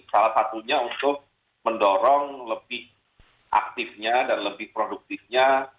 salah satunya untuk mendorong lebih aktifnya dan lebih produktifnya